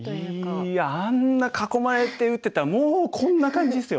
いやあんな囲まれて打ってたらもうこんな感じですよ。